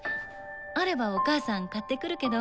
あればお母さん買ってくるけど。